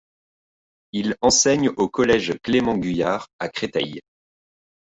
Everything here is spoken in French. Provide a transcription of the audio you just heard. Il enseigne au collège Clément-Guyard, à Créteil.